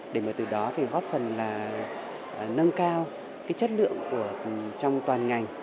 để mà từ đó thì góp phần là nâng cao cái chất lượng trong toàn ngành